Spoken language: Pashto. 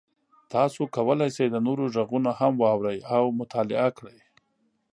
تاسو کولی شئ د نورو غږونه هم واورئ او مطالعه کړئ.